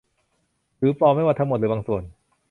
หรือปลอมไม่ว่าทั้งหมดหรือบางส่วน